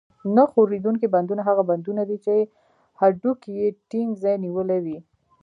نه ښورېدونکي بندونه هغه بندونه دي چې هډوکي یې ټینګ ځای نیولی وي.